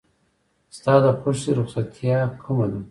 ستا د خوښې رخصتیا کومه ده؟